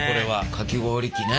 かき氷機ね。